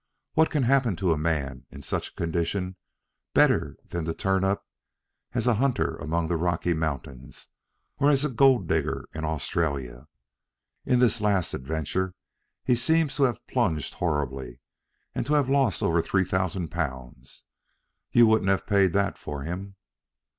What can happen to a man in such a condition better than to turn up as a hunter among the Rocky Mountains or as a gold digger in Australia? In this last adventure he seems to have plunged horribly, and to have lost over three thousand pounds. You wouldn't have paid that for him?"